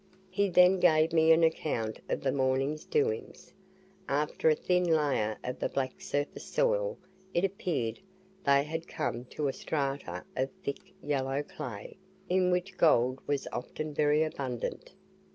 He then gave me an account of the morning's doings. After a thin layer of the black surface soil, it appeared they had come to a strata of thick yellow clay, in which gold was often very abundant.